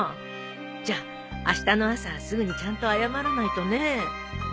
じゃああしたの朝すぐにちゃんと謝らないとね。